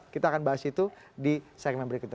kita akan bahas itu di segmen berikutnya